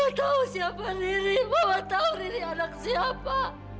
mama tau siapa riri mama tau riri anak siapa